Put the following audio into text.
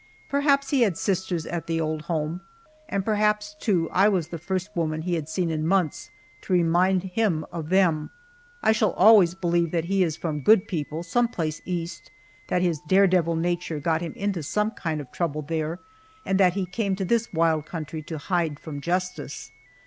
Perhaps he had sisters at the old home, and perhaps, too, I was the first woman he had seen in months to remind him of them. I shall always believe that he is from good people some place East, that his "dare devil" nature got him into some kind of trouble there, and that he came to this wild country to hide from Justice.